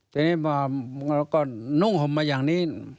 แล้วนุ่งห่อมมาอย่างนี้